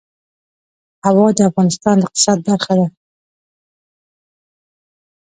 هوا د افغانستان د اقتصاد برخه ده.